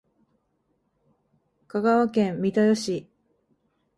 香川県三豊市